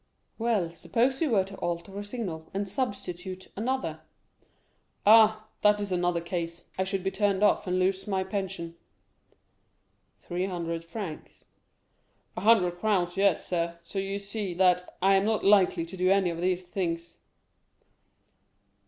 "Well, suppose you were to alter a signal, and substitute another?" "Ah, that is another case; I should be turned off, and lose my pension." "Three hundred francs?" "A hundred crowns, yes, sir; so you see that I am not likely to do any of these things."